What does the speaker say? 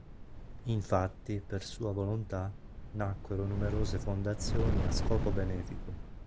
Infatti, per sua volontà, nacquero numerose fondazioni a scopo benefico.